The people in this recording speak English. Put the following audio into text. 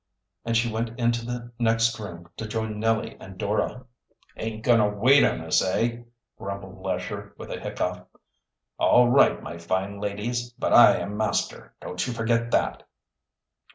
And she went into the next room to join Nellie and Dora. "Aint going to wait on us, eh?" grumbled Lesher, with a hiccough. "All right, my fine ladies. But I am master, don't you forget that!"